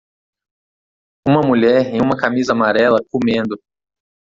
Uma mulher em uma camisa amarela comendo.